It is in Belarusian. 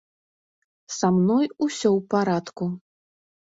Са мной усё ў парадку.